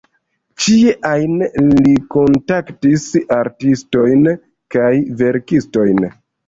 Ĉie ajn li kontaktis artistojn kaj verkistojn.